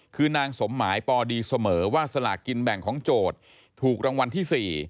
คือนางสมหมายปดีเสมอว่าสลากกินแบ่งของโจทย์ถูกรางวัลที่๔